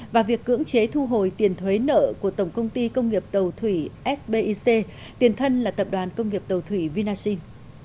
và việc cưỡng chế thu hồi tiền thuế nợ của tổng công ty công nghiệp tàu thủy sbic tiền thân là tập đoàn công nghiệp tàu thủy vinasin